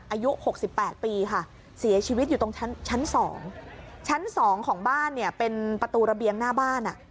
อายุ๖๘ปีค่ะเสียชีวิตอยู่ตรงชั้น๒ชั้น๒ของบ้านเนี่ยเป็นประตูระเบียงหน้าบ้าน